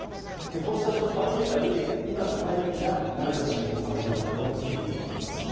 こうした情報を集めたうえで今がタイミングだとなれば侵攻を始めるだろうということです。